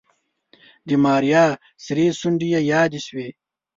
د ماريا سرې شونډې يې يادې شوې.